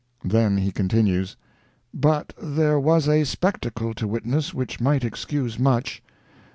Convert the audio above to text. Then he continues: "But there was a spectacle to witness which might excuse much.